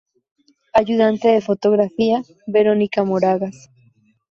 Ayudante de fotografía: Verónica Moragas.